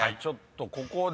ここで。